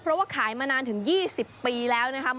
เพราะว่าขายมานานถึง๒๐ปีแล้วนะครับ